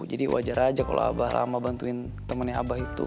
jadi wajar aja kalo abah lama bantuin temennya abah itu